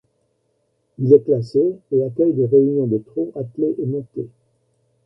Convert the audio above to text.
Il est classé et accueille des réunions de trot attelé et monté.